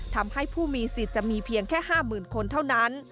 ทำให้ผู้มีสิทธิ์จะมีเพียงแค่๕๐๐๐คนเท่านั้น